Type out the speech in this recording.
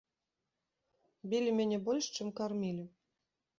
Білі мяне больш, чым кармілі.